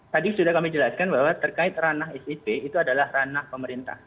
tadi sudah kami jelaskan bahwa terkait ranah sip itu adalah ranah pemerintah